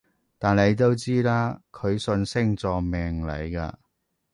但你都知啦，佢信星座命理嘅